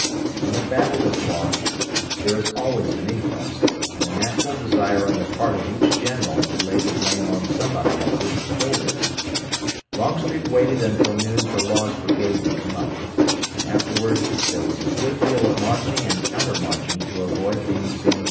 When a battle is lost there is always an inquest, and a natural desire on the part of each general to lay the blame on somebody else's shoulders. Longstreet waited until noon for Law's brigade to come up, and afterward there was a good deal of marching and countermarching to avoid being seen by our troops.